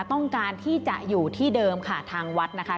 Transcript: ต้องการที่จะอยู่ที่เดิมค่ะทางวัดนะคะ